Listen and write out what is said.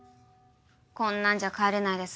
こんなんじゃ帰れないです